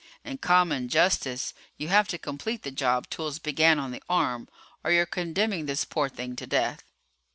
"In common justice you have to complete the job Toolls began on the arm, or you're condemning this poor thing to death."